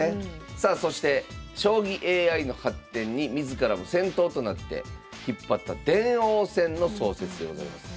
さあそして将棋ＡＩの発展に自らも先頭となって引っ張った電王戦の創設でございます。